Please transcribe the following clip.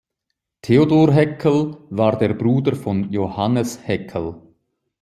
Theodor Heckel war der Bruder von Johannes Heckel.